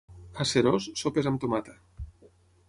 A Seròs, sopes amb tomata.